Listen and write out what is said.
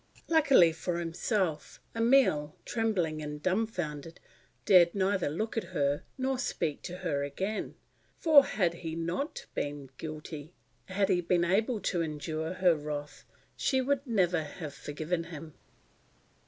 Luckily for himself, Emile, trembling and dumbfounded, dared neither look at her nor speak to her again; for had he not been guilty, had he been able to endure her wrath, she would never have forgiven him.